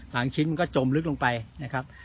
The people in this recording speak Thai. บางชิ้นก็จมลึกลงไปนะครับ